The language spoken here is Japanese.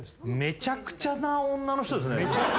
めちゃくちゃな女の人ですね。